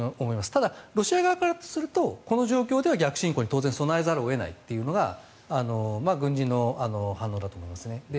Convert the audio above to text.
ただロシア側からするとこの状況では逆侵攻に備えざるを得ないというのが軍人の反応だと思いますね。